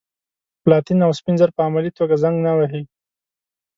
پلاتین او سپین زر په عملي توګه زنګ نه وهي.